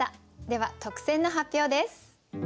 では特選の発表です。